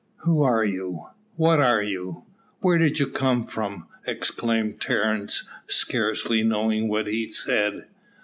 "Who are you? what are you? where do you come from?" exclaimed Terence, scarcely knowing what he said.